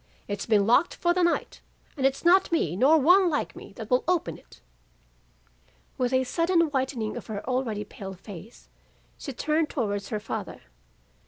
'Its been locked for the night and its not me nor one like me, that will open it.' "With a sudden whitening of her already pale face, she turned towards her father.